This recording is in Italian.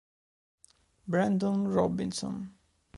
Brandon Robinson